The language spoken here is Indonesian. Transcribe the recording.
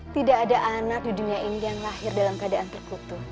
tidak ada anak di dunia ini yang lahir dalam keadaan terkutuh